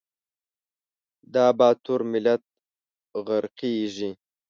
دا باتور ملت غرقیږي